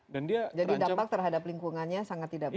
jadi dampak terhadap lingkungannya sangat tidak baik